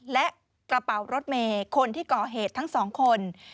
และกระเป๋ารถเมย์คนที่ก่อเหตุทั้งสองคน